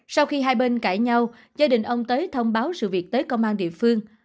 sau khi hai bên cãi nhau gia đình ông tới thông báo sự việc tới công an địa phương